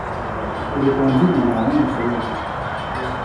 Répondit le marin en se levant.